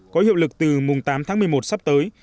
có hiệu lực từ mùng tám tháng một mươi một sắp tới